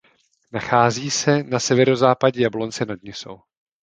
Nachází se na severozápadě Jablonce nad Nisou.